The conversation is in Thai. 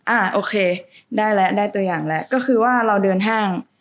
อ่าโอเคได้แล้วได้ตัวอย่างแล้วก็คือว่าเราเดินห้าง